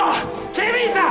警備員さん！